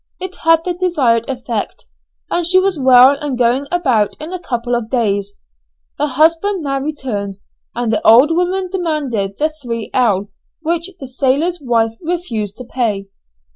It had the desired effect, and she was well and going about in a couple of days. Her husband now returned, and the old woman demanded the 3_l._, which the sailor's wife refused to pay.